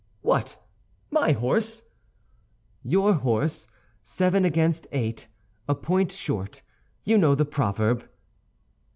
"What, my horse?" "Your horse, seven against eight; a point short—you know the proverb."